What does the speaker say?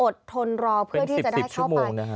ทนรอเพื่อที่จะได้เข้าไป